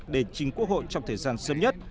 đề chính quốc hội trong thời gian sớm nhất